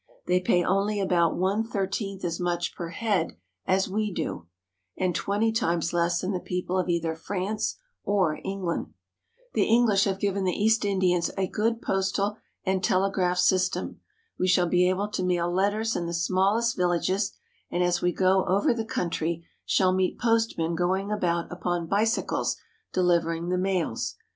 They pay only about one thirteenth as much per head as we do, and twenty times less than the people of either France or England. The EngHsh have given the East Indians a good postal and telegraph system. We shall be able to mail letters in the smallest villages, and as we go over the country shall meet postmen going about upon bicycles delivering the mails.